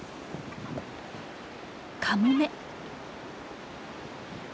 カモメ。